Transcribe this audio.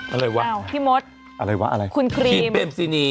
อะไรวะพี่มดอะไรวะอะไรคุณครีมเบมซินี